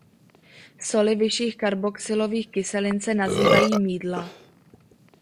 Soli vyšších karboxylových kyselin se nazývají mýdla.